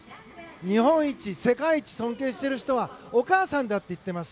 日本一、世界一尊敬してる人はお母さんだって言ってます。